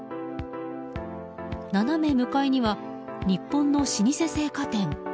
斜め向かいには日本の老舗青果店。